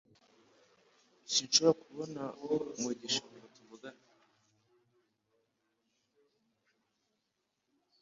Sinshobora kubona mugisha ngo tuvugane